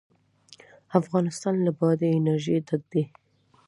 افغانستان له بادي انرژي ډک دی.